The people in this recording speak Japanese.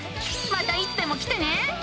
またいつでも来てね。